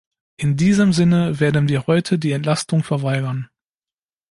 In diesem Sinne werden wir heute die Entlastung verweigern.